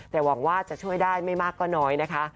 แต่หวังว่าจะช่วยได้ไม่มากก็น้อยนะคะ